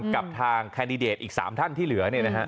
กับทางแคนดิเดตอีก๓ท่านที่เหลือ